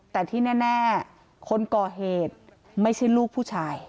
แต่ที่แน่คนก่อเหตุไม่ใช่ลูกผู้ชาย